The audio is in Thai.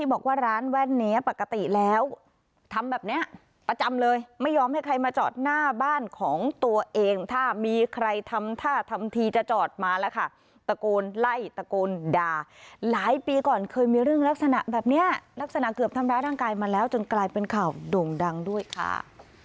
บอกว่าร้านแว่นนี้ปกติแล้วทำแบบนี้ประจำเลยไม่ยอมให้ใครมาจอดหน้าบ้านของตัวเองถ้ามีใครทำท่าทำทีจะจอดมาแล้วค่ะตะโกนไล่ตะโกนด่าหลายปีก่อนเคยมีเรื่องลักษณะแบบนี้ลักษณะเกือบทำร้ายร่างกายมาแล้วจนกลายเป็นข่าวโด่งดังด้วยค่ะ